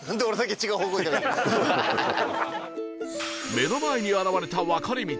目の前に現れた分かれ道